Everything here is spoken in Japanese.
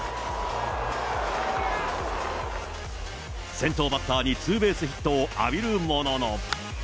先頭バッターにツーベースヒットを浴びるものの。